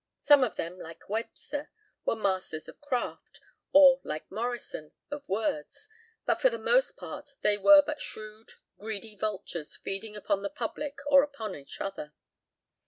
Some of them, like Webster, were masters of craft, or, like Morrison, of words, but for the most part they were but shrewd, greedy vultures feeding upon the public or upon each other.